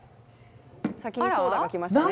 先のソーダが来ましたね。